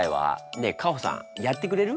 ねえカホさんやってくれる？